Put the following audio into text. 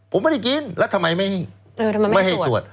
ผมไม่ได้กินแล้วทำไมไม่ให้ตรวจ